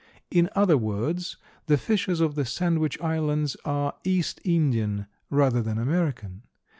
In other words, the fishes of the Sandwich Islands are East Indian rather than American.